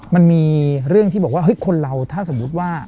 มันมีเรื่องที่บอกว่าเฮ้ยคนเราถ้าสมมุติว่า